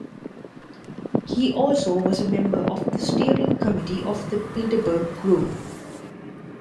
He also was a member of the Steering Committee of the Bilderberg Group.